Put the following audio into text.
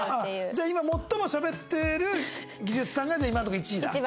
じゃあ今最もしゃべってる技術さんが今のとこ１位だ？